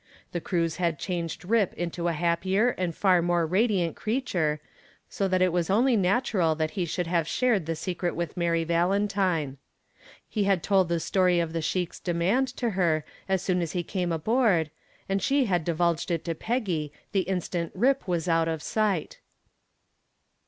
The cruise had changed "Rip" into a happier and far more radiant creature, so it was only natural that he should have shared the secret with Mary Valentine. He had told the story of the sheik's demand to her as soon as he came aboard, and she had divulged it to Peggy the instant "Rip" was out of sight.